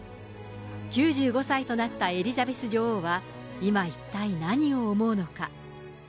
９５歳となったエリザベス女王は今、一体、何を思うのか。